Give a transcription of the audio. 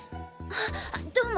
あどうも。